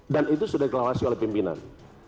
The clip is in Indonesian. dan itu sudah dikelahasi oleh pimpinan